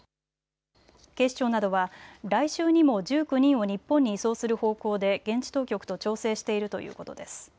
警視庁などは来週にも１９人を日本に移送する方向で現地当局と調整しているということです。